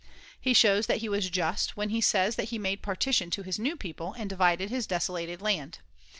He shows that he was just when he says that he made partition [lyoj to his new people and divided his desolated land.